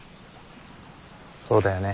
そうだよね。